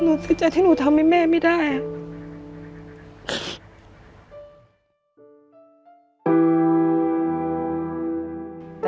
หนูสิทธิ์ใจที่หนูทำให้แม่ไม่ได้อะ